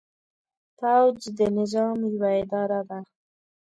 پوځ د نظام یوه اداره ده.